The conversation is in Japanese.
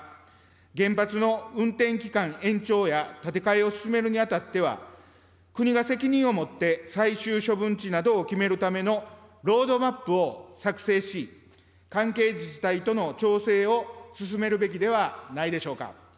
原発の運転期間延長や、建て替えを進めるにあたっては、国が責任を持って最終処分地などを決めるためのロードマップを作成し、関係自治体との調整を進めるべきではないでしょうか。